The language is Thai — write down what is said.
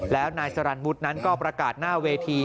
แล้วนายสรรวุฒินั้นก็ประกาศหน้าเวที